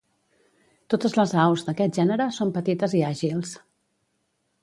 Totes les aus d'aquest gènere són petites i àgils.